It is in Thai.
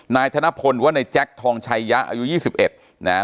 นายธนพลหรือว่าในแจ๊คทองชัยยะอายุยี่สิบเอ็ดนะฮะ